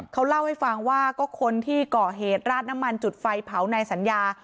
เขาเล่าให้ฟังว่าก็คนที่ก่อเหตุราดน้ำมันจุดไฟเผาในสัญญา